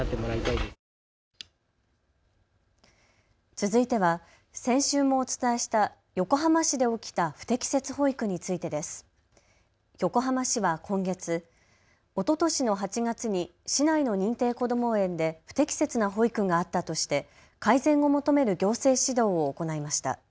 続いては先週もお伝えした横浜市で起きた不適切保育についてです。横浜市は今月、おととしの８月に市内の認定こども園で不適切な保育があったとして改善を求める行政指導を行いました。